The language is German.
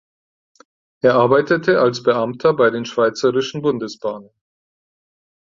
Er arbeitete als Beamter bei den Schweizerischen Bundesbahnen.